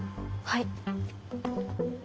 はい。